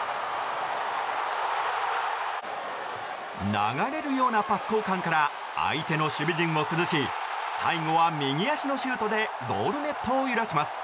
流れるようなパス交換から相手の守備陣を崩し最後は右足のシュートでゴールネットを揺らします。